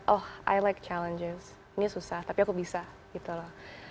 oh saya suka mencabar ini susah tapi aku bisa